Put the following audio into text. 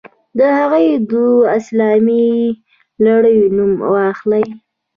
د هغو دوو اسلامي لړیو نوم واخلئ.